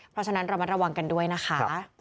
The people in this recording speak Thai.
เพราะฉะนั้นระมัดระวังกันด้วยนะคะ